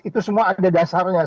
itu semua ada dasarnya